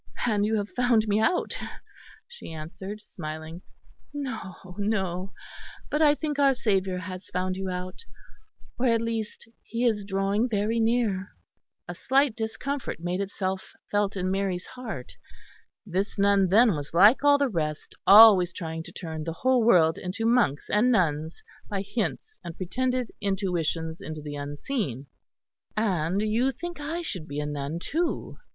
"And you have found me out?" she answered smiling. "No, no; but I think our Saviour has found you out or at least He is drawing very near." A slight discomfort made itself felt in Mary's heart. This nun then was like all the rest, always trying to turn the whole world into monks and nuns by hints and pretended intuitions into the unseen. "And you think I should be a nun too?"